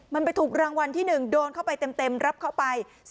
มันไปถูกรางวัลที่๑โดนเข้าไปเต็มรับเข้าไป